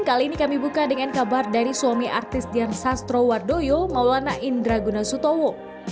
kali ini kami buka dengan kabar dari suami artis dian sastro wardoyo maulana indra gunasutowo